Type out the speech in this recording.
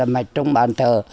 mạch trong bàn thờ